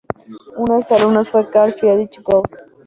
Uno de sus alumnos fue Carl Friedrich Gauss.